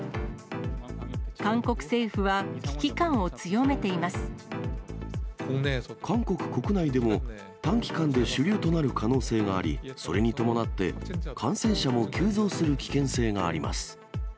韓国政府は、韓国国内でも、短期間で主流となる可能性があり、それに伴って、感染者も急増する危険性があります。